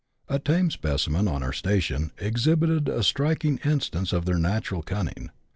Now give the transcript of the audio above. A tame specimen, on our station, exhibited a striking instance of their natural cunning.